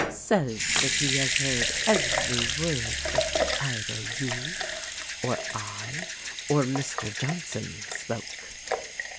Says that he has heard every word that either you or I or Mr. Johnson spoke."